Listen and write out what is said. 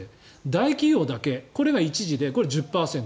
大企業だけ、これが１次でこれ、１０％。